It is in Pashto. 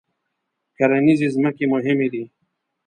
کرنیزې ځمکې مهمې دي.